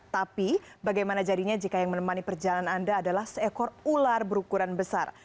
tapi bagaimana jadinya jika yang menemani perjalanan anda adalah seekor ular berukuran besar